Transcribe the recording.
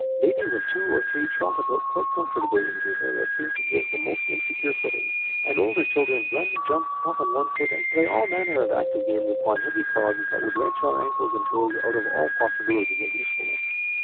Babies of two or three trot about quite comfortably in géta that seem to give most insecure footing, and older children run, jump, hop on one foot, and play all manner of active games upon heavy clogs that would wrench our ankles and toes out of all possibility of usefulness.